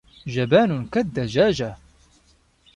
جبان كالدجاجة.